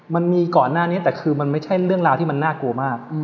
มันมีก่อนหน้านี้แต่คือมันไม่ใช่เรื่องราวที่มันน่ากลัวมาก